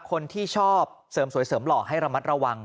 คนที่ชอบเสริมสวยเสริมหล่อให้ระมัดระวัง